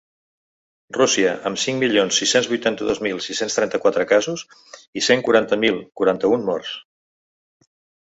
Rússia, amb cinc milions sis-cents vuitanta-dos mil sis-cents trenta-quatre casos i cent quaranta mil quaranta-un morts.